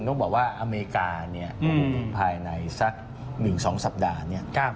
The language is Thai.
ต้องบอกว่าอเมริกาภายในสัก๑๒สัปดาห์